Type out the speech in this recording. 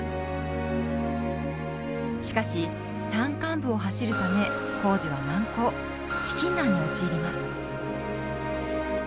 しかし山間部を走るため工事は難航資金難に陥ります。